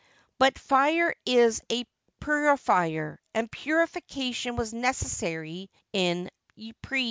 But fire is a puri fier, and purification was necessary in Ypres.